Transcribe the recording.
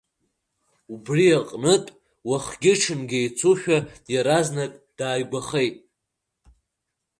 Убри аҟнытә уахгьы-ҽынгьы еицушәа, иаразнак дааигәахеит.